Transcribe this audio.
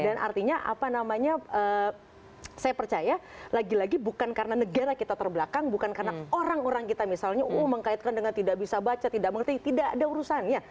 dan artinya apa namanya saya percaya lagi lagi bukan karena negara kita terbelakang bukan karena orang orang kita misalnya mengkaitkan dengan tidak bisa baca tidak mengerti tidak ada urusannya